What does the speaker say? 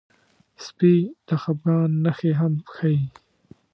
سپي د خپګان نښې هم ښيي.